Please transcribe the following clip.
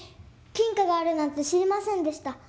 金貨があるなんて知りませんでした。